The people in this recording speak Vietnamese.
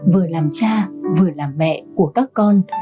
vừa làm cha vừa làm mẹ của các con